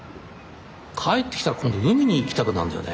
帰ってきたら今度海に行きたくなるんだよね